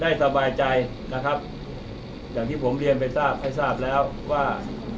สบายใจนะครับอย่างที่ผมเรียนไปทราบให้ทราบแล้วว่า